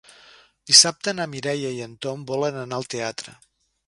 Dissabte na Mireia i en Tom volen anar al teatre.